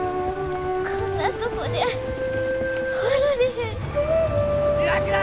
こんなとこで終わられへん。